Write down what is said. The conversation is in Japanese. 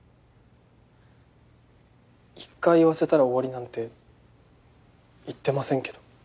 １回言わせたら終わりなんて言ってませんけど。